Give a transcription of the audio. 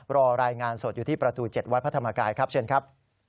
รอรายงานสดอยู่ที่ประตู๗วัดพระธรรมกายครับเชิญครับ